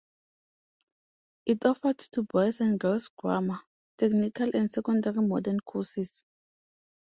It offered to boys and girls Grammar, Technical and Secondary Modern courses.